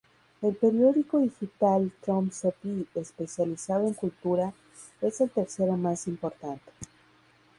El periódico digital "Tromsø By", especializado en cultura, es el tercero más importante.